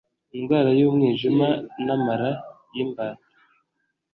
indwara y umwijima n amara y imbata